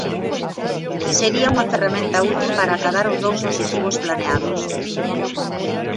Sería unha ferramenta útil para acadar os dous obxectivos planeados.